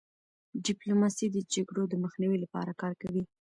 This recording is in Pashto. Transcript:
ډيپلوماسي د جګړو د مخنیوي لپاره کار کوي.